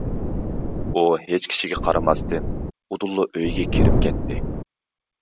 ئۇ ھېچ كىشىگە قارىماستىن ئۇدۇللا ئۆيىگە كىرىپ كەتتى.